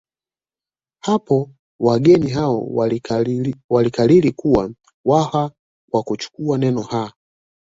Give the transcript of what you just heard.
Hapo wageni hao walikariri kuwa Waha kwa kuchukua neno ha